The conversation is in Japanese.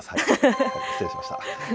失礼しました。